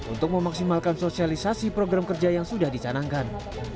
untuk memaksimalkan sosialisasi program kerja yang sudah dicanangkan